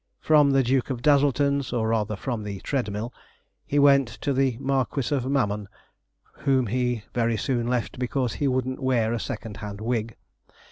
From the Duke of Dazzleton's, or rather from the tread mill, he went to the Marquis of Mammon, whom he very soon left because he wouldn't wear a second hand wig.